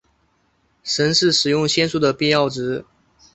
神是使用仙术的必要值。